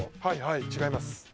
はいはい違います